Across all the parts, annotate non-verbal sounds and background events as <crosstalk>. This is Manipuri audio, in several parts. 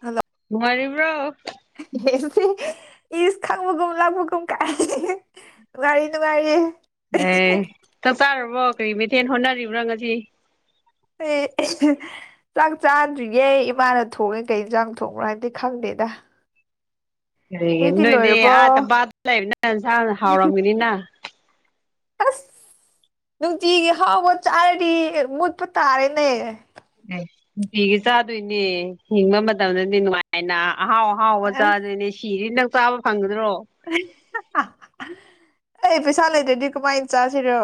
ꯍꯜꯂꯣ ꯅꯨꯉꯥꯏꯔꯤꯕ꯭ꯔꫭ ꯁ <unintelligible> ꯏꯁ ꯈꯪꯕꯒꯨꯝ ꯂꯥꯛꯕꯒꯨꯝ ꯀꯥꯏ ꯅꯨꯉꯥꯏꯔꯤ ꯅꯨꯉꯥꯏꯔꯤ ꯑꯦ ꯆꯥꯛꯇꯥꯥꯔꯕꯣ ꯀꯔꯤ ꯃꯩꯊꯦꯟ ꯍꯣꯠꯅꯔꯤꯕ꯭ꯔꯥ ꯉꯁꯤ ꯐ <unintelligible> ꯆꯥꯛ ꯆꯥꯗ꯭ꯔꯤꯌꯦ ꯏꯃꯥꯅ ꯊꯣꯡꯉꯦ ꯀꯩ ꯆꯥꯡ ꯊꯣꯡꯕ꯭ꯔꯣ ꯍꯥꯏꯕꯗꯤ ꯈꯪꯗꯦꯗ ꯀꯔꯤꯒꯤ ꯅꯣꯏꯗꯤ ꯑꯥ ꯇꯝꯄꯥꯛꯇ ꯂꯩꯕꯅ ꯏꯟꯁꯥꯡ ꯍꯥꯎꯔꯝꯒꯅꯤꯅ ꯑꯁ ꯅꯨꯡꯇꯤꯒꯤ ꯍꯥꯎꯕ ꯆꯥꯔꯗꯤ ꯃꯨꯠꯄ ꯇꯥꯔꯦꯅꯦ ꯑꯦ ꯅꯨꯡꯇꯤꯒꯤ ꯆꯥꯗꯣꯏꯅꯦ ꯍꯤꯡꯕ ꯃꯇꯝꯗꯗꯤ ꯅꯨꯡꯉꯥꯏ ꯍꯥꯏꯅ ꯑꯍꯥꯎ ꯑꯍꯥꯎꯕ ꯑꯁ ꯆꯥꯗꯣꯏꯅꯦ ꯁꯤꯔꯤ ꯅꯪ ꯆꯥꯕ ꯐꯪꯒꯗ꯭ꯔꯣ ꯑꯩ ꯄꯩꯁꯥ ꯂꯩꯇꯔꯗꯤ ꯀꯃꯥꯏꯅ ꯆꯥꯁꯤꯔꯣ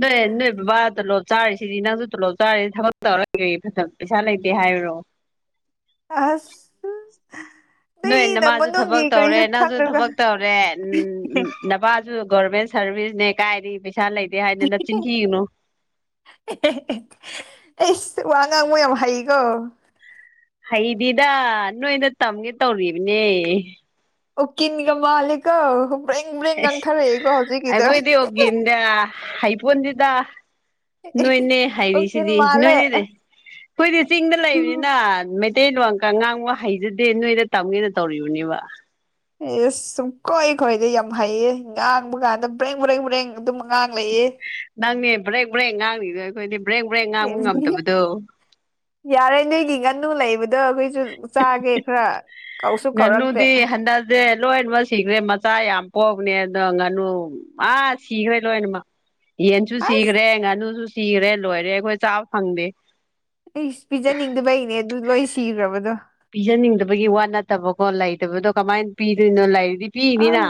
ꯅꯣꯏ ꯅꯣꯏ ꯕꯕꯥ ꯇꯣꯂꯣꯞ ꯆꯥꯔꯤꯁꯤꯗꯤ ꯅꯪꯁꯨ ꯇꯣꯂꯣꯞ ꯆꯥꯔꯤꯁꯤ ꯊꯕꯛ ꯇꯧꯔꯒ ꯐꯖꯅ ꯄꯩꯁꯥ ꯂꯩꯇꯦ ꯍꯥꯏꯕꯨꯔꯣ ꯑꯁ ꯅꯣꯏ ꯅꯨꯏꯅ ꯅꯃꯥꯁꯨ ꯃꯅꯨꯡꯒꯤ ꯊꯕꯛ ꯇꯧꯔꯦ ꯀꯔꯤꯁꯨ ꯅꯪꯁꯨ ꯈꯪꯗ꯭ꯔꯒ ꯊꯕꯛ ꯇꯧ ꯎꯝ ꯅꯄꯁꯨ ꯒꯣꯕꯃꯦꯟ ꯁꯔꯚꯤꯁꯅꯦ ꯀꯥꯏ ꯄꯩꯁꯥ ꯂꯩꯗꯦ ꯍꯥꯏꯗꯅ ꯅꯆꯤꯟꯊꯤꯒꯅꯨ ꯑꯩꯁ ꯋꯥ ꯉꯥꯡꯕ ꯌꯥꯝ ꯍꯩꯀꯣ ꯍꯩꯗꯤꯗ ꯅꯣꯏꯗ ꯇꯝꯒꯦ ꯇꯧꯔꯤꯕꯅꯦ ꯎꯀꯤꯟꯒ ꯃꯥꯜꯂꯤꯀꯣ ꯕ꯭ꯔ‌ꯦꯡ ꯕ꯭ꯔ‌ꯦꯡ ꯉꯥꯡꯊꯔꯛꯏꯀꯣ ꯍꯧꯖꯤꯛꯀꯤꯗꫭ ꯗ <unintelligible> ꯍꯩ ꯄꯣꯟꯗꯦꯗ ꯅꯣꯏꯅꯦ ꯎꯀꯤꯜ ꯍꯥꯏꯔꯤꯁꯤꯗꯤ ꯃꯥꯜꯂꯦ ꯅꯣꯏꯅꯤꯅꯦ ꯑꯩꯈꯣꯏꯗꯤ ꯆꯤꯡꯗ ꯂꯩꯕꯅꯤꯅ ꯃꯇꯩ ꯂꯣꯟꯀ ꯉꯥꯡꯕ ꯍꯩꯖꯗꯦ ꯅꯣꯏꯗ ꯇꯝꯒꯦꯅ ꯇꯧꯔꯤꯕꯅꯦꯕ ꯑꯦꯁ ꯁꯨꯝ ꯀꯣꯏ ꯀꯣꯏꯗꯩ ꯌꯥꯝ ꯍꯩꯌꯦ ꯉꯥꯡꯕ ꯀꯥꯟꯗ ꯕ꯭ꯔꯦꯡ ꯃꯔꯦꯡ ꯃꯔꯦꯡ ꯑꯗꯨꯝ ꯑꯍꯥꯡ ꯂꯩꯑꯦ ꯅꯪꯅꯦ ꯕ꯭ꯔꯦꯛ ꯕ꯭ꯔꯦꯛ ꯉꯥꯡꯂꯤꯗꯣ ꯑꯩꯈꯣꯏꯗꯤ ꯕ꯭ꯔꯦꯛ ꯕ꯭ꯔꯦꯛ ꯉꯥꯡꯕ ꯉꯝꯗꯕꯗꯣ ꯌꯥꯔꯦ ꯅꯣꯏꯒꯤ ꯉꯥꯟꯅꯨ ꯂꯩꯕꯗꯣ ꯑꯩꯈꯣꯏꯁꯨ ꯆꯥꯒꯦ ꯈꯔ ꯀꯧꯁꯨ ꯀꯧꯔꯛꯇꯦ ꯇꯦ ꯂꯣꯏꯅꯃꯛ ꯁꯤꯈ꯭ꯔꯦ ꯃꯆꯥ ꯌꯥꯝ ꯄꯣꯛꯅꯦ ꯑꯗꯣ ꯉꯥꯅꯨ ꯑꯥ ꯁꯤꯈ꯭ꯔꯦ ꯂꯣꯏꯅꯃꯛ <inaudible> ꯌꯦꯟꯁꯨ ꯑꯁ ꯁꯤꯈ꯭ꯔꯦ ꯉꯥꯅꯨꯁꯨ ꯁꯤꯈ꯭ꯔꯦ ꯂꯣꯏꯔꯦ ꯑꯩꯈꯣꯏ ꯆꯥꯕ ꯐꯪꯗꯦ ꯑꯩꯁ ꯄꯤꯖꯅꯤꯡꯗꯕꯩꯅꯦ ꯑꯗꯨ ꯂꯣꯏ ꯁꯤꯈ꯭ꯔꯕꯗꯣ ꯄꯤꯖꯅꯤꯡꯗꯕꯒꯤ ꯋꯥꯠ ꯅꯠꯇꯕꯀꯣ ꯂꯩꯇꯕꯗꯣ ꯀꯃꯥꯏꯅ ꯄꯤꯗꯣꯏꯅꯣ ꯂꯩꯔꯤꯗꯤ ꯑꯥꯎ ꯄꯤꯔꯤꯅꯤꯅ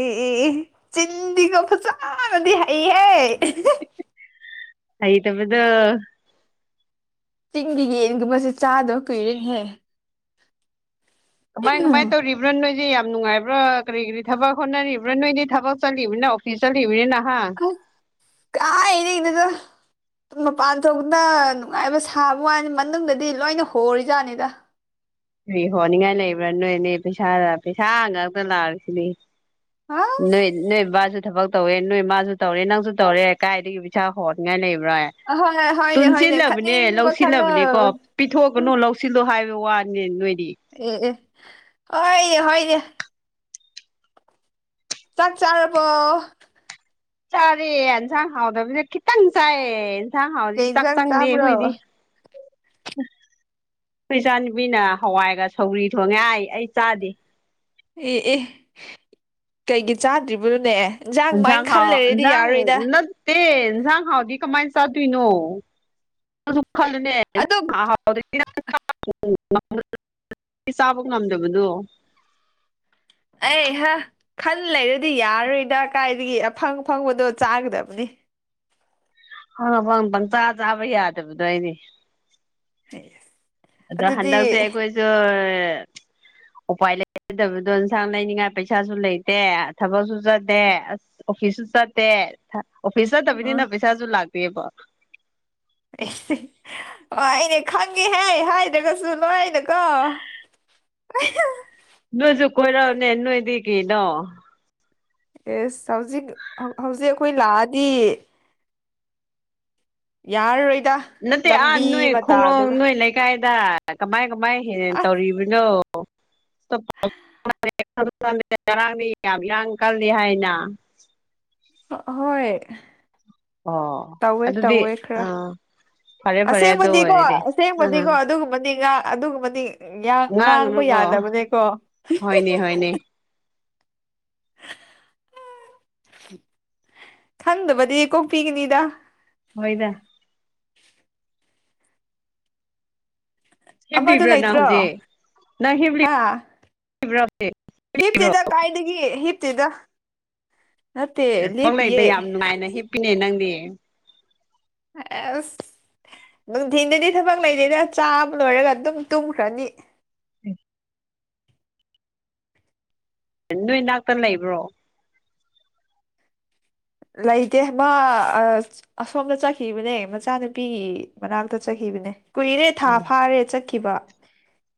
ꯑꯦ ꯆꯤꯟꯗꯤꯒ ꯐꯖꯥꯅꯗꯤ ꯍꯩꯍ ꯍꯩꯇꯕꯗꯣ ꯆꯤꯡꯒꯤ ꯌꯦꯟꯒꯨꯝꯕꯁꯦ ꯆꯥꯗꯕ ꯀꯨꯏꯔꯦꯅꯍꯦ ꯀꯃꯥꯏ ꯃꯥꯏ ꯇꯧꯔꯤꯕ ꯕ꯭ꯔꯥ ꯅꯣꯏꯁꯦ ꯌꯥꯝ ꯅꯨꯡꯉꯥꯏꯕ꯭ꯔꯥ ꯀꯔꯤ ꯀꯔꯤ ꯊꯕꯛ ꯍꯣꯠꯅꯔꯤꯕ꯭ꯔꯥ ꯅꯣꯏꯗꯤ ꯊꯕꯛ ꯆꯠꯂꯤꯕꯅꯤ ꯑꯣꯐꯤꯁ ꯆꯠꯂꯤꯕꯅꯤꯅ ꯅꯍꯥꯟ ꯀꯏꯗꯒꯤꯅꯣꯗ ꯃꯄꯥꯟ ꯊꯣꯛꯅ ꯅꯨꯡꯉꯥꯏꯕ ꯁꯥꯕ ꯋꯥꯅꯤ ꯃꯅꯨꯡꯗꯗꯤ ꯂꯣꯏꯅ ꯍꯣꯔꯤꯖꯥꯠꯅꯤꯗ ꯀꯔꯤ ꯍꯣꯅꯤꯡꯉꯥꯏ ꯂꯩꯕ꯭ꯔꯥ ꯅꯣꯏꯅꯦ ꯄꯩꯁꯥꯗ ꯄꯩꯁꯥ ꯉꯥꯛꯇ ꯂꯥꯛꯔꯤꯁꯤꯅꯦ ꯅꯣꯏ ꯑꯁ ꯅꯣꯏ ꯕꯁꯨ ꯊꯕꯛ ꯇꯧꯋꯦ ꯅꯣꯏ ꯃꯥꯁꯨ ꯇꯧꯔꯦ ꯅꯪꯁꯨ ꯇꯧꯔꯦ ꯀꯥꯏꯗꯒꯤ ꯄꯩꯁꯥ ꯍꯣꯟꯅꯤꯡꯉꯥꯏ ꯂꯩꯕ꯭ꯔꯣ ꯑꯍꯣꯏ ꯍꯣꯏꯅꯦ ꯍꯣꯏꯅꯦ ꯄꯨꯟꯁꯤꯜꯂꯕꯅꯦ ꯈꯠꯅꯤꯡꯕ ꯈꯜꯂꯣ ꯂꯧꯁꯤꯜꯂꯕꯅꯦ ꯀꯣ ꯄꯤꯊꯣꯛꯑꯒꯅꯨ ꯂꯧ ꯁꯤꯜꯂꯣ ꯍꯥꯏꯕ ꯋꯥꯅꯦ ꯅꯣꯏꯗꯤ ꯑꯦ ꯑꯦ ꯍꯣꯏꯅꯦꯍꯣꯏꯅꯦ ꯆꯥꯛ ꯆꯥꯔꯕꯣ ꯆꯔꯦ ꯑꯟꯁ ꯍꯥꯎꯗꯕꯤꯗ ꯀꯈꯤꯠꯇꯪ ꯆꯥꯏꯌꯦ ꯑꯟꯁꯡ ꯍꯥꯎꯗꯤ ꯀꯩ ꯆꯥꯛ ꯏꯟꯖꯥꯡ ꯆꯪꯗꯦ ꯆꯥꯕ꯭ꯔꯣ ꯑꯩꯈꯣꯏꯗꯤ ꯑꯩ ꯏꯆꯥꯅꯨꯄꯤꯅ ꯍꯋꯥꯏꯒ ꯁꯧꯔꯤ ꯊꯣꯡꯉꯦ ꯍꯥꯏ ꯑꯩ ꯆꯥꯗꯦ ꯑꯦ ꯑꯦ ꯀꯩꯒꯤ ꯆꯥꯗ꯭ꯔꯤꯕꯅꯣꯅꯦ ꯏꯟꯖꯥꯡ ꯃꯥꯏꯅ ꯈꯜ ꯂꯩꯔꯦꯗꯤ ꯌꯥꯔꯣꯏꯗ ꯇꯦ ꯏꯟꯖꯥꯡ ꯍꯥꯎꯗꯤ ꯀꯃꯥꯏꯅ ꯆꯥꯗꯣꯏꯅꯣ ꯑꯗꯨꯈꯜꯂꯨꯅꯦ ꯑꯗ <inaudible> ꯆꯥꯕ ꯉꯝꯗꯕꯗꯣ ꯑꯩꯍ ꯈꯟ ꯂꯩꯔꯗꯤ ꯌꯥꯔꯣꯏꯗ ꯀꯥꯏꯗꯒꯤ ꯑꯐꯪ ꯐꯪꯕꯗꯣ ꯆꯥꯒꯗꯕꯅꯤ <unintelligible> ꯄꯪ ꯆꯥ ꯆꯥꯕ ꯌꯥꯗꯕꯗꯣ ꯑꯩꯗꯤ ꯍꯦꯁ ꯑꯗꯣ ꯍꯟꯗꯛꯁꯦ ꯑꯩꯈꯣꯏꯁꯨ ꯎꯄꯥꯏ ꯂꯩꯗꯕꯗꯣ ꯑꯦꯟꯁꯥꯡ ꯂꯩꯅꯤꯡꯉꯥꯏ ꯄꯩꯁꯥꯁꯨ ꯂꯩꯇꯦ ꯊꯕꯛꯁꯨ ꯆꯗꯦ ꯑꯁ ꯑꯣꯐꯤꯁꯁꯨ ꯆꯠꯇꯦ ꯑꯣꯐꯤꯁ ꯆꯠꯇꯕꯅꯤꯅ ꯎꯝ ꯄꯩꯁꯥꯁꯨ ꯂꯥꯛꯇꯦꯕ ꯑꯩꯅꯦ ꯈꯪꯉꯦ ꯍꯥꯏ ꯍꯥꯏꯗ꯭ꯔꯒꯁꯨ ꯅꯣꯏ ꯑꯩꯅ <unintelligible> ꯅꯣꯏꯁꯨ ꯀꯣꯏꯔꯅꯦ ꯅꯣꯏꯗꯤ ꯀꯩꯅꯣ ꯑꯦꯁ ꯍꯧꯖꯤꯛ ꯍꯧꯖꯤꯛ ꯑꯩꯈꯣꯏ ꯂꯥꯛꯑꯗꯤ ꯌꯥꯔꯔꯣꯏꯗ ꯅꯠꯇꯦ ꯑꯥ ꯅꯣꯏ ꯂꯝꯕꯤ ꯈꯣꯡꯂꯣꯡ ꯃꯇꯥꯗꯨꯒ ꯅꯣꯏ ꯂꯩꯀꯥꯏꯗ ꯀꯃꯥꯏ ꯀꯃꯥꯏ ꯍꯦꯟꯅ ꯑꯁ ꯇꯧꯔꯤꯕꯅꯣ <unintelligible> ꯆꯔꯥꯡꯅꯤ ꯌꯥꯝ ꯑꯪꯀꯜꯅꯤ ꯍꯥꯏꯅ ꯍꯣꯏ ꯑꯣ ꯇꯧꯋꯦ ꯑꯗꯨꯗꯤ ꯇꯧꯋꯦ ꯈꯔ ꯐꯔꯦ ꯐꯔꯦ ꯑꯗꯨ ꯑꯁꯦꯡꯕꯗꯤꯀꯣ ꯑꯣꯏꯔꯗꯤ ꯑꯁꯦꯡꯕꯗꯤꯀꯣ ꯑꯗꯨꯒꯨꯝꯕꯅꯤ ꯉꯥ ꯑꯗꯨꯒꯨꯝꯕꯅꯤ ꯉꯥꯡꯕ ꯌꯥꯗꯕꯅꯦꯀꯣ ꯍꯅꯦ ꯈꯪꯗꯕꯗꯤ ꯀꯣꯛꯄꯤꯒꯅꯤꯗ ꯍꯣꯏꯗ ꯑꯃꯗꯨ ꯍꯦꯂꯤꯕ꯭ꯔꯥ ꯅ ꯍꯧꯖꯤꯦ ꯂꯩꯇ꯭ꯔꯣ ꯅꯪ ꯍꯦꯕꯂꯤꯕ꯭ꯔ ꯍꯕ꯭ꯔꯥ ꯍꯤꯞꯇꯗ ꯀꯥꯏꯗꯒꯤ ꯍꯤꯞꯇꯗ ꯅꯠꯇꯦ ꯂꯦꯞꯄꯤꯑꯦ ꯄꯅꯦ ꯅꯪꯅꯦꯦ ꯑꯦ ꯑꯁ ꯅꯨꯡꯊꯤꯟꯗꯗꯤ ꯊꯕꯛ ꯂꯩꯗꯦꯗ ꯆꯥꯕ ꯂꯣꯏꯔꯒ ꯑꯗꯨꯝ ꯇꯨꯝꯈ꯭ꯔꯅꯤ ꯎꯝ ꯍ ꯅꯣꯏ ꯏꯅꯥꯛꯇ ꯂꯩꯕ꯭ꯔꯣ ꯂꯩꯇꯦ ꯃꯥ ꯑꯁꯣꯝꯗ ꯆꯠꯈꯤꯕꯅꯦ ꯃꯆꯥꯅꯨꯄꯤꯒꯤ ꯃꯅꯥꯛꯇ ꯆꯠꯈꯤꯕꯅꯦ ꯀꯨꯏꯔꯦ ꯊꯥ ꯐꯥꯔꯦ ꯆꯠꯈꯤꯕ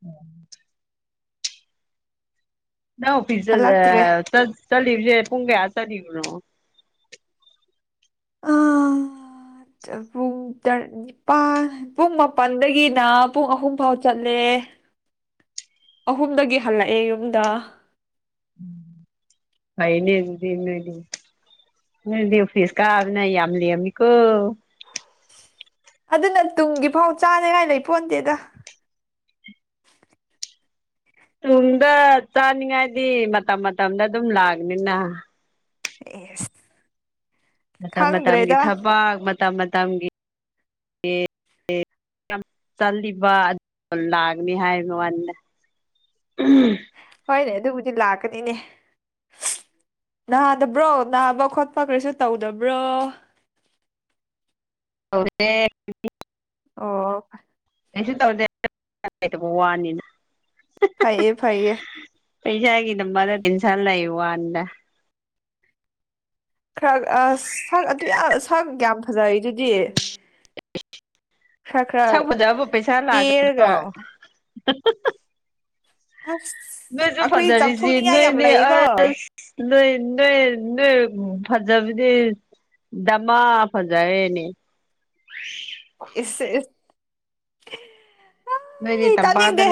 ꯎꯝ ꯅ ꯑꯣ ꯐꯤꯖ ꯍꯜꯂꯛꯇ꯭ꯔꯦ ꯆ ꯆꯂꯤ ꯍꯧꯦ ꯄꯨꯨꯡꯒꯦ ꯆꯂꯤꯅꯣ <unintelligible> ꯅꯤꯄꯥꯥꯟ ꯄꯨꯡ ꯃꯥꯄꯜꯗꯒꯤꯅ ꯄꯨꯡ ꯑꯍꯨꯝ ꯐꯥꯎ ꯆꯠꯂꯦ ꯑꯍꯨꯝꯗꯒꯤ ꯍꯜꯂꯛꯑꯦ ꯌꯨꯝꯗ ꯐꯩꯅꯗꯤꯅꯅꯤ ꯎꯗꯤ ꯐꯤꯁ ꯀꯥꯗꯅ ꯌꯥꯝ ꯂꯩꯑꯃꯤꯀꯣ ꯑꯗꯨꯅ ꯇꯨꯡꯒꯤ ꯐꯥꯎ ꯆꯥꯅꯉꯥꯏ ꯂꯩ ꯐꯣꯟꯗꯦꯗ ꯇꯨꯡꯗ ꯆꯥꯅꯤꯡꯉꯥꯏꯗꯤ ꯃꯇꯝ ꯃꯇꯝꯗ ꯑꯗꯨꯝ ꯂꯥꯛꯑꯅꯤꯅ ꯑꯦ ꯃꯇꯝ ꯃꯇꯝꯒꯤ ꯊꯕꯥꯛ ꯃꯇꯝ ꯃꯇꯝꯒꯤ ꯌꯥꯝ ꯆꯠꯂꯤꯕ ꯑꯗꯨ ꯂꯥꯛꯅꯤ ꯍꯥꯏ ꯃ ꯋꯥꯟꯅ ꯎꯝ ꯍꯣꯏꯅꯦ ꯑꯗꯨꯕꯨꯗꯤ ꯂꯥꯛꯀꯅꯤꯅꯦ ꯅꯥꯗꯕ꯭ꯔꯣ ꯅꯥꯕ ꯈꯣꯠꯄ ꯀꯔꯤꯁꯨ ꯇꯧꯗꯕ꯭ꯔꯣ ꯍꯁꯦ ꯑꯣ ꯀꯩꯁꯨ ꯇꯧꯗꯦꯇꯕ ꯋꯥꯅꯤꯅ ꯐꯩꯌꯦ ꯐꯩꯌꯦ ꯄꯩꯁꯥ ꯍꯥꯏꯒ ꯅ ꯃꯗ ꯇꯤꯟꯁꯥꯜꯗ ꯏ ꯋꯥꯟꯗ ꯈꯔ ꯑ ꯁꯛ ꯑꯗꯨ ꯁꯛ ꯌꯥꯝ ꯐꯖꯩ ꯑꯗꯨꯗꯤ ꯈ ꯈ꯭ꯔ ꯁꯛ ꯐꯖꯕ ꯄꯩꯁꯥ ꯀꯦꯔꯒ ꯂꯥꯛꯀꯗ꯭ꯔꯣ <unintelligible> ꯑꯁ ꯅꯣꯏꯁꯨ ꯑꯩꯈꯣꯏ ꯐꯖꯔꯤꯁꯤ ꯆꯥꯎꯊꯣꯛꯅꯤꯡꯉꯥꯏ ꯌꯥꯝ ꯅꯣꯏꯅꯦ ꯂꯩꯀꯣ ꯑꯁ ꯅꯣꯏ ꯅꯣꯏ ꯅꯣꯏ ꯐꯖꯥꯕꯤꯗꯤ ꯗꯃ ꯐꯖꯌꯦꯅꯦ ꯑꯦ ꯅꯣꯏꯗꯤ ꯇꯝꯄꯥꯛꯇ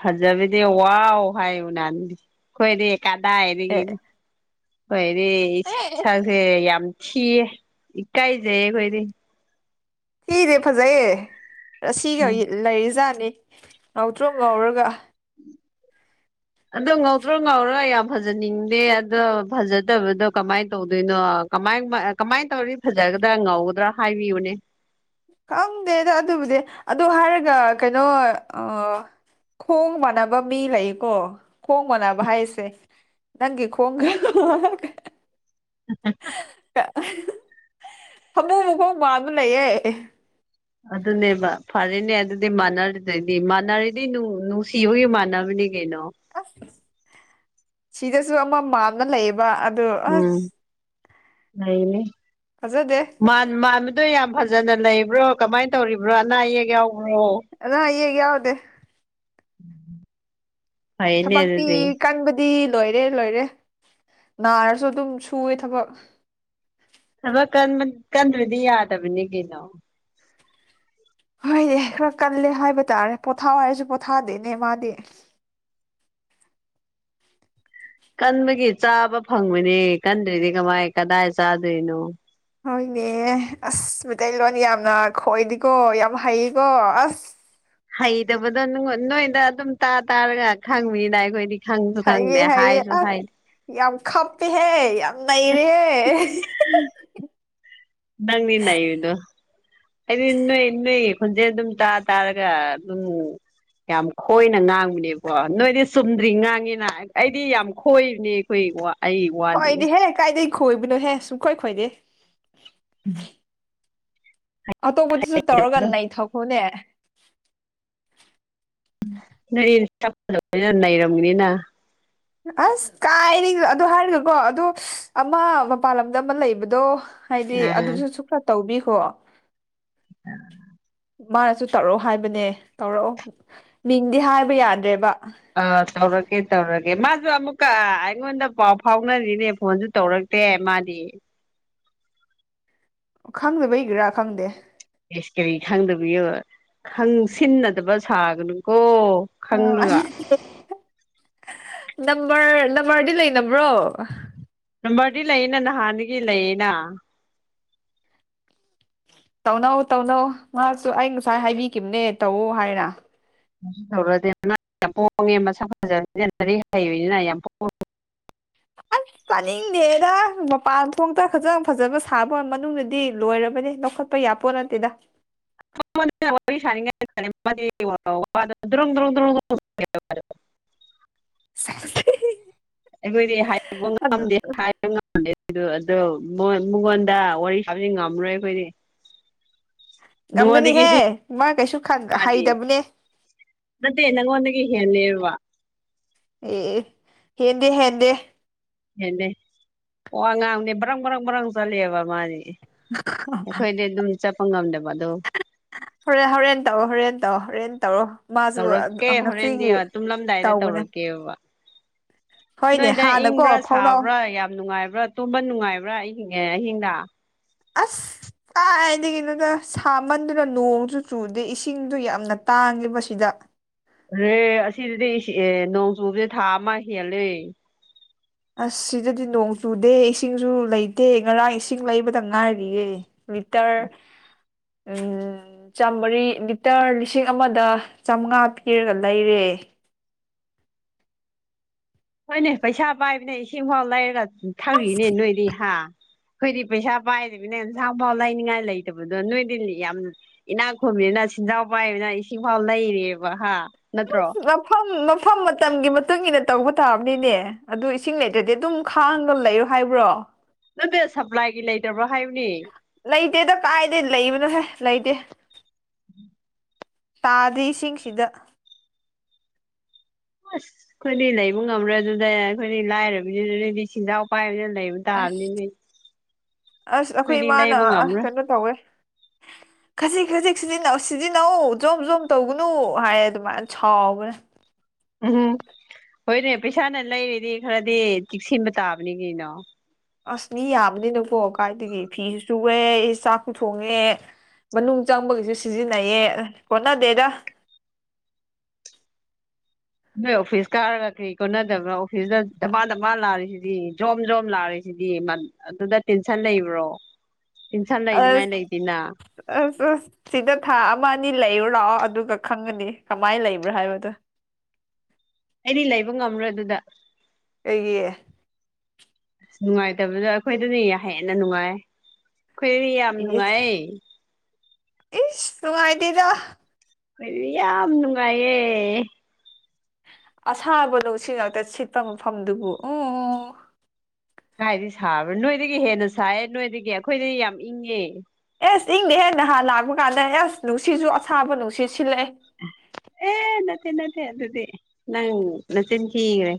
ꯐꯖꯕꯤꯗꯤ ꯋꯥꯎ ꯍꯥꯏ ꯎꯅꯥ ꯑꯩꯈꯣꯏꯗꯤ ꯀꯗꯥ ꯍꯥꯏꯔꯤ ꯑꯦ ꯀꯗꯤ ꯑꯦ ꯁ ꯌꯥꯝ ꯊꯤꯌꯦ ꯏꯀꯥꯏꯖꯩꯌꯦ ꯑꯩꯈꯣꯏꯗꯤ ꯁꯤꯤꯅꯦꯦ ꯐꯖꯩꯌꯦꯁꯤꯒ ꯎꯝ ꯂꯩꯔꯤꯖꯥꯠꯅꯤ ꯉꯥꯎꯇ꯭ꯔꯣ ꯉꯧꯔꯒ ꯑꯗꯣ ꯉꯧꯗ꯭ꯔꯣ ꯉꯧꯔꯣ ꯌꯥꯝ ꯐꯖꯅꯤꯡꯗꯦ ꯑꯗꯣ ꯐꯖꯗꯕꯗꯣ ꯀꯃꯥꯏꯅ ꯇꯧꯗꯣꯏꯅꯣ ꯀꯃꯥꯏ ꯀꯃꯥꯏꯅ ꯇꯧꯔꯗꯤ ꯐꯖꯒꯗ꯭ꯔꯥ ꯉꯧꯒꯗ꯭ꯔꯥ ꯍꯥꯏꯕꯤꯌꯨꯅꯦ ꯈꯪꯗꯦꯗ ꯑꯗꯨꯕꯨꯗꯤ ꯑꯗꯣ ꯍꯥꯏꯔꯒ ꯀꯩꯅꯣ ꯑ ꯈꯣꯡ ꯃꯥꯟꯅꯕ ꯃꯤ ꯂꯩꯀꯣ ꯈꯣꯡ ꯃꯥꯟꯅꯕ ꯍꯥꯏꯁꯦ ꯅꯪꯦ ꯈꯣꯒ ꯑ ꯍꯥꯃꯨ ꯃꯈꯣꯡ ꯃꯕ ꯂꯩꯌꯦꯦ ꯑꯗꯨꯅꯦꯕ ꯐꯔꯦꯅꯦ ꯑꯗꯨꯗꯤ ꯃꯥꯟꯅꯔꯤꯗꯩꯗꯤ ꯃꯥꯟꯅꯔꯤꯗꯤ ꯅꯨꯡꯁꯤꯕꯒꯤ ꯃꯥꯟꯅꯕꯅꯤ ꯀꯩꯅꯣ ꯑꯁ ꯁꯤꯗꯁꯨ ꯑꯃ ꯃꯥꯝꯅ ꯂꯩꯌꯦꯕ ꯑꯗꯨ ꯑꯁ ꯂꯩꯅꯦ꯫ ꯐꯖꯗꯦ꯫ ꯃꯥꯟꯕꯗꯣ ꯌꯥꯝ ꯐꯖꯅ ꯂꯩꯕ꯭ꯔꯣ ꯀꯃꯥꯏꯅ ꯇꯧꯔꯤꯕ꯭ꯔꯣ ꯑꯅꯥ ꯑꯌꯦꯛ ꯌꯥꯎꯕ꯭ꯔꯣ꯫ ꯑꯅꯥ ꯑꯌꯦꯛ ꯌꯥꯎꯗꯦ꯫ ꯐꯥꯏꯅꯦ ꯊꯕꯛꯇꯤ ꯑꯗꯨꯗꯤ꯫ <unintelligible> ꯂꯣꯏꯔꯦ ꯂꯣꯏꯔꯦ ꯅꯥꯔꯁꯨ ꯑꯗꯨꯝ ꯁꯨꯑꯦ ꯊꯕꯛ꯫ ꯊꯕꯛ ꯀꯟꯗ꯭ꯔꯗꯤ ꯌꯥꯗꯕꯅꯤ ꯀꯩꯅꯣ꯫ ꯍꯣꯏꯗꯤ ꯈꯔ ꯀꯜꯂꯦ ꯍꯥꯏꯕ ꯇꯥꯔꯦ ꯄꯣꯊꯥ ꯍꯥꯏꯔꯁꯨ ꯄꯣꯊꯥꯗꯣꯏꯅꯦ ꯃꯥꯗꯤ꯫ ꯀꯟꯕꯒꯤ ꯆꯥꯕ ꯐꯪꯕꯅꯤ ꯀꯟꯗꯔꯗꯤ ꯀꯃꯥꯏ ꯀꯗꯥꯏ ꯆꯥꯗꯣꯏꯅꯣ꯫ ꯍꯣꯏꯅꯦ ꯑꯁ ꯃꯩꯇꯩꯂꯣꯟ ꯌꯥꯝꯅ ꯈꯣꯏꯗꯤꯀꯣ ꯌꯥꯝ ꯍꯩꯀꯣ ꯑꯁ꯫ ꯍꯩꯇꯕꯗꯣ ꯅꯣꯏꯗ ꯑꯗꯨꯝ ꯇꯥ ꯇꯥꯔꯒ ꯈꯪꯉꯅ ꯑꯩꯈꯣꯏꯗꯤ ꯈꯪꯁꯨ ꯈꯪꯗꯦ ꯍꯩꯌꯦ ꯍꯩꯌꯦ ꯍꯥꯏꯁꯨ ꯑꯁ ꯍꯥꯏ꯫ ꯌꯥꯝ ꯈꯞꯄꯦꯍꯦ ꯌꯥꯝ ꯅꯩꯔꯦꯍꯦ꯫ ꯅꯪꯅꯤ ꯅꯩꯔꯤꯗꯣ ꯑꯩꯗꯤ ꯅꯣꯏ ꯅꯣꯏ ꯈꯣꯟꯖꯦꯟ ꯑꯗꯨꯝ ꯇꯥ ꯇꯥꯔꯒ ꯑꯗꯨꯝ ꯌꯥꯝ ꯈꯣꯏꯅ ꯉꯥꯡꯕꯅꯦꯕꯣ ꯅꯣꯏꯗꯤ ꯆꯨꯝꯗ꯭ꯔꯤ ꯉꯥꯡꯉꯤꯅ ꯑꯩꯗꯤ ꯌꯥꯝ ꯈꯣꯏꯕꯅꯦ ꯑꯩꯈꯣꯏꯀꯣ ꯈꯣꯏꯗꯦꯍꯦ ꯀꯥꯏꯗꯩ ꯈꯣꯏꯕꯅꯣꯍꯦ ꯁꯨꯡ ꯈꯣꯏ ꯈꯣꯏꯗꯦ꯫ <unintelligible> ꯑꯇꯣꯞꯄꯗꯨꯁꯨ ꯇꯧꯔꯒ ꯅꯩꯊꯈꯣꯅꯦ꯫ ꯅꯣꯏ <unintelligible> ꯅꯩꯔꯝꯒꯅꯤꯅ꯫ ꯑꯁ ꯀꯥꯏꯔꯤ ꯑꯗꯨ ꯍꯥꯏꯔꯒꯀꯣ ꯑꯗꯨ ꯑꯃ ꯃꯄꯥꯟ ꯂꯝꯗ ꯑꯃ ꯂꯩꯕꯗꯣ꯫ ꯍꯥꯏꯗꯤ ꯑꯥ ꯑꯗꯨꯁꯨ ꯁꯨ ꯈꯔ ꯇꯧꯕꯤꯈꯣ꯫ ꯎꯝ <unintelligible> ꯃꯥꯅꯁꯨ ꯇꯧꯔꯛꯑꯣ ꯍꯥꯏꯕꯅꯦ ꯇꯧꯔꯛꯑꯣ ꯃꯤꯡꯗꯤ ꯍꯥꯏꯕ ꯌꯥꯗ꯭ꯔꯦꯕ꯫ ꯑꯥ ꯇꯧꯔꯀꯦ ꯇꯧꯔꯒꯦ ꯃꯥꯁꯨ ꯑꯃꯨꯛꯀ ꯑꯩꯉꯣꯟꯗ ꯄꯥꯎ ꯐꯥꯎꯅꯔꯤꯅꯦ ꯐꯣꯟꯁꯨ ꯇꯧꯔꯛ ꯑꯦ ꯃꯥꯗꯤ꯫ ꯈꯪꯗꯕꯩꯒꯤꯔꯥ ꯈꯪꯗꯦ꯫ ꯑꯦꯁ ꯀꯔꯤ ꯈꯪꯗꯕꯤꯒꯔ ꯈꯪꯁꯤꯟꯅꯗꯕ ꯁꯥꯒꯅꯨꯀꯣ꯫ ꯈꯪꯂꯒ ꯅꯝꯕꯔ ꯅꯝꯕꯔꯗꯤ ꯂꯩꯅꯕ꯭ꯔꯣ꯫ ꯅꯝꯕꯔꯗꯤ ꯂꯩꯌꯦꯅ ꯅꯍꯥꯟꯗꯒꯤ ꯂꯩꯌꯦꯅ꯫ ꯇꯧꯅꯧ ꯇꯧꯅꯧ ꯉꯍꯥꯛꯁꯨ ꯑꯩ ꯉꯁꯥꯏ ꯍꯥꯏꯕꯤꯈꯤꯕꯅꯦ ꯇꯧ ꯍꯥꯏꯔ꯫ ꯀꯩꯇꯧꯔꯗꯤ ꯌꯥꯝ ꯄꯣꯡꯉꯦ ꯃꯁꯛ ꯐꯖꯔꯤꯛ ꯍꯩꯕꯅꯤꯅ ꯌꯥꯝ ꯄꯦ ꯑꯥꯁ ꯇꯅꯤꯡꯗꯦꯗ ꯃꯄꯥꯟ ꯊꯣꯡꯇ ꯈꯇ ꯐꯖꯕ ꯁꯥꯕ ꯃꯅꯨꯡꯗꯗꯤ ꯂꯣꯏꯔꯕꯅꯦ ꯂꯧꯈꯠꯄ ꯄꯌꯥꯄꯣꯠ ꯅꯠꯇꯦꯗ <unintelligible> ꯑꯩꯈꯣꯏꯗꯤ ꯍꯥꯏ ꯑꯗꯨ ꯉꯝꯗꯦ꯫ ꯑꯣ ꯃꯉꯣꯟꯗ ꯋꯥꯔꯤ ꯁꯥꯗꯤ ꯉꯝꯃꯔꯣꯏ ꯑꯩꯈꯣꯏꯗꯤ꯫ ꯅꯉꯣꯟꯗꯒꯤ ꯉꯝꯒꯅꯤꯍꯦ ꯍꯦꯟ ꯃꯥ ꯀꯩꯁꯨ ꯃꯥꯗꯤ ꯍꯩꯗꯕꯅꯦ꯫ ꯅꯠꯇꯦ ꯅꯪꯑꯣꯟꯗꯒꯤ ꯍꯦꯜꯂꯦꯕ ꯑꯦ ꯍꯦꯟꯗꯤ ꯍꯦꯟꯗꯦ ꯍꯦꯟꯗꯦ ꯋꯥ ꯉꯥꯡꯕꯗꯤ ꯕ꯭ꯔꯪ ꯕꯔꯪ ꯕꯔꯪ ꯆꯠꯂꯦꯕ ꯃꯥꯗꯤ꯫ ꯑꯩꯈꯣꯏꯗꯤ ꯑꯗꯨꯝ ꯆꯠꯄ ꯉꯝꯗꯕ ꯑꯗꯣ ꯍꯣꯔꯦꯟ ꯍꯣꯔꯦꯟ ꯇꯧꯔꯣ ꯍꯣꯔꯦꯟ ꯇꯧ ꯍꯣꯔꯦꯟ ꯇꯧꯔꯣ꯫ ꯃꯥꯁꯨ ꯇꯧꯔꯛꯀꯦ ꯍꯣꯔꯦꯟꯗꯤ ꯉꯁꯤꯒꯤ ꯇꯨꯝꯂꯝꯗꯥꯏꯗ ꯇꯧꯕꯅꯦ ꯇꯧꯔꯛꯀꯦꯕ꯫ ꯍꯣꯏꯅꯦ ꯅꯣꯏꯗ ꯍꯥꯟꯅꯀꯣ ꯏꯪꯕ꯭ꯔꯥ ꯐꯥꯎꯅꯧ ꯁꯥꯕ꯭ꯔꯥ ꯌꯥꯝ ꯅꯨꯡꯉꯥꯏꯕ꯭ꯔꯥ꯫ ꯇꯣꯝꯕ ꯅꯨꯡꯉꯥꯏꯕ꯭ꯔꯥ ꯑꯍꯤꯡꯉꯦ ꯑꯍꯤꯡꯗ꯫ ꯑꯁ꯫ ꯀꯥꯏꯗꯒꯤꯅꯣꯗ ꯁꯥꯃꯟꯗꯨꯅ ꯅꯣꯡꯁꯨ ꯆꯨꯗꯦ ꯏꯁꯤꯡꯁꯨ ꯌꯥꯝꯅ ꯇꯥꯡꯉꯦꯕ ꯁꯤꯗ꯫ ꯔꯦ ꯑꯁꯤꯗꯗꯤ ꯏꯁꯤ ꯑꯦ ꯅꯣꯡ ꯆꯨꯕꯁꯦ ꯊꯥ ꯑꯃ ꯍꯦꯜꯂꯦ ꯑꯁ ꯁꯤꯗꯗꯤ ꯅꯣꯡ ꯆꯨꯗꯦ ꯏꯁꯤꯡꯁꯨ ꯂꯩꯇꯦ ꯉꯔꯥꯡ ꯏꯁꯤꯡ ꯂꯩꯕꯗ ꯉꯥꯏꯔꯤꯌꯦ ꯂꯤꯇꯌ <unintelligible> ꯆꯝꯃꯔꯤ ꯂꯤꯇꯔ ꯂꯤꯁꯤꯡ ꯑꯃꯗ ꯆꯝꯉꯥ ꯄꯤꯔꯒ ꯂꯩꯔꯦ ꯍꯣꯏꯅꯦ ꯄꯩꯁꯥ ꯄꯥꯏꯕꯅꯦ ꯏꯁꯤꯡ ꯐꯥꯎ ꯂꯩꯔꯒ ꯊꯛꯔꯤꯅꯦ ꯅꯣꯏꯗꯤ ꯍꯥ ꯈꯣꯏꯗꯤ ꯄꯩꯁꯥ ꯄꯥꯏꯗꯕꯅꯤꯅ ꯑꯦꯟꯁꯥꯡꯐꯥꯎ ꯂꯩꯅꯤꯡꯉꯥꯏ ꯂꯩꯇꯕꯗꯣ ꯅꯣꯏꯗꯤ ꯂꯤ ꯌꯥꯝ ꯏꯅꯥꯛꯈꯨꯟꯕꯅꯤꯅ ꯁꯦꯟꯖꯥꯎ ꯄꯥꯏꯕꯅ ꯏꯁꯤꯡꯐꯥꯎ ꯂꯩꯔꯤꯌꯦꯕ ꯍꯥ ꯅꯠꯇ꯭ꯔꯣ ꯃꯐꯝ ꯃꯐꯝ ꯃꯇꯝꯒꯤ ꯃꯇꯨꯡꯏꯟꯅ ꯇꯧꯕ ꯇꯥꯕꯅꯤꯅꯦ ꯑꯗꯨ ꯏꯁꯤꯡ ꯂꯩꯇ꯭ꯔꯗꯤ ꯑꯗꯨꯝ ꯈꯥꯡꯒ ꯂꯩꯌꯣ ꯍꯥꯏꯕ꯭ꯔꯣ ꯅꯠꯇꯦ ꯁꯞꯄ꯭ꯂꯥꯏꯒꯤ ꯂꯩꯇꯕ꯭ꯔꯣ ꯍꯥꯏꯕꯅꯤ ꯂꯩꯇꯦꯗ ꯀꯥꯏꯗꯩ ꯂꯩꯕꯅꯣꯍꯦ ꯂꯩꯇꯦ ꯇꯥꯗꯤ ꯏꯁꯤꯡꯁꯤꯗ ꯑꯁ ꯑꯩꯈꯣꯏꯗꯤ ꯂꯩꯕ ꯉꯝꯔꯣꯏ ꯑꯗꯨꯗꯦ ꯑꯩꯈꯣꯏꯗꯤ ꯂꯥꯏꯔꯕꯤꯅꯤꯅ ꯅꯪꯗꯤ ꯁꯦꯟꯖꯥꯎ ꯄꯥꯏꯕꯅꯤꯅ ꯂꯩꯕ ꯑꯁ ꯇꯥꯕꯅꯤꯅꯦ ꯑꯁ ꯑꯩꯈꯣꯏ ꯑꯩꯈꯣꯏꯗꯤ ꯏꯃꯥꯅ ꯂꯩꯕ ꯑꯥ ꯉꯝꯔꯣꯏ ꯀꯩꯅꯣ ꯇꯧꯋꯦ ꯈꯖꯤꯛ ꯈꯖꯤꯛ ꯁꯤꯖꯤꯟꯅꯧ ꯁꯤꯖꯤꯟꯅꯧ ꯖꯣꯝ ꯖꯣꯝ ꯇꯧꯒꯅꯨ ꯍꯥꯏꯌꯦ ꯑꯗꯨꯃꯥꯏꯅ ꯁꯥꯎꯕꯅꯦ ꯎꯝꯍꯝ ꯍꯣꯏꯅꯦ ꯄꯩꯁꯥꯅ ꯂꯩꯔꯤꯅꯤ ꯈꯔꯗꯤ ꯆꯤꯛꯁꯤꯟꯕ ꯇꯥꯕꯅꯤ ꯀꯩꯅꯣ ꯑꯁ ꯃꯤ ꯌꯥꯝꯕꯅꯤꯅꯀꯣ ꯀꯥꯏꯗꯒꯤ ꯐꯤꯁꯨ ꯁꯨꯋꯦ ꯆꯥꯛꯁꯨ ꯊꯣꯡꯉꯦ ꯃꯅꯨꯡ ꯆꯪꯕꯒꯤꯁꯨ ꯁꯤꯖꯤꯟꯅꯩꯌꯦ ꯑꯦ ꯀꯣꯟꯅꯗꯦꯗ ꯅꯣꯏ ꯑꯣꯐꯤꯁ ꯀꯥꯔꯒ ꯀꯔꯤ ꯀꯣꯟꯅꯗꯕ꯭ꯔ ꯑꯣꯐꯤꯁꯇ ꯗꯞꯕꯥ ꯗꯞꯕꯥ ꯂꯛꯔꯤꯁꯤꯗꯤ ꯖꯣꯝ ꯖꯣꯝ <unintelligible> ꯖꯤꯗꯤ ꯃꯥ ꯑꯗꯨꯗ ꯇꯦꯟꯁꯟ ꯂꯩꯕ꯭ꯔꯣ ꯇꯦꯟꯁꯟ ꯑꯁ ꯂꯩꯅꯤꯉꯥꯏ ꯂꯩꯇꯦꯅ ꯑꯁ ꯑꯁ ꯁꯤꯗ ꯊꯥ ꯑꯃ ꯑꯅꯤ ꯂꯩꯔꯨ ꯂꯥꯛꯑꯣ ꯑꯗꯨꯒ ꯈꯪꯒꯅꯤ ꯀꯃꯥꯏꯅ ꯂꯩꯕ꯭ꯔꯥ ꯍꯥꯏꯕꯗꯣ ꯑꯩꯗꯤ ꯂꯩꯕ ꯉꯝꯔꯣꯏ ꯑꯗꯨꯗ ꯀꯩꯒꯤ ꯅꯨꯡꯉꯥꯏꯇꯕꯗ ꯑꯩꯈꯣꯏꯗꯗꯤ ꯍꯦꯟꯅ ꯅꯨꯡꯉꯥꯏ ꯑꯩꯈꯣꯏꯗꯗꯤ ꯌꯥꯝ ꯏꯁ ꯅꯨꯡꯉꯥꯏꯌꯦ ꯏꯁ ꯅꯨꯡꯉꯥꯏꯇꯦꯗ ꯑꯩꯗꯤ ꯌꯥꯝ ꯅꯨꯡꯉꯥꯏꯋꯦ ꯑꯁꯥꯕ ꯅꯨꯡꯁꯤꯠ ꯉꯛꯇ ꯁꯤꯠꯄ ꯃꯐꯝꯗꯨꯕꯨ ꯎꯝ ꯀꯥꯏꯗꯒꯤ ꯁꯥꯕ꯭ꯔꯥ ꯅꯣꯏꯗꯒꯤ ꯍꯦꯟꯅ ꯁꯥꯏꯌꯦ ꯅꯣꯏꯗꯒꯤ ꯑꯩꯈꯣꯏꯗꯤ ꯌꯥꯝ ꯏꯪꯉꯦ ꯑꯦꯁ ꯏꯪꯗꯦꯍꯦ ꯅꯍꯥꯟ ꯂꯥꯛꯄ ꯀꯥꯟꯗ ꯑꯦꯁ ꯅꯨꯡꯁꯤꯠꯁꯨ ꯑꯁꯥꯕ ꯅꯨꯡꯁꯤꯠ ꯁꯤꯠꯂꯛꯑꯦ ꯑꯦ ꯅꯠꯇꯦ ꯅꯠꯇꯦ ꯑꯗꯨꯗꯤ ꯅꯪ ꯅꯆꯤꯟꯊꯤꯒ꯭ꯔꯦ